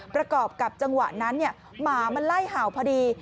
ประกอบกับจังหวะนั้นหมามันไล่เห่าพอดี